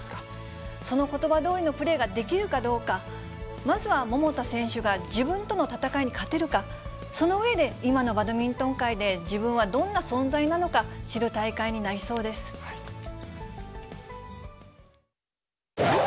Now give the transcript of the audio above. そのことばどおりのプレーができるかどうか、まずは桃田選手が自分との戦いに勝てるか、その上で今のバドミントン界で自分はどんな存在なのか、知る大会になりそうです。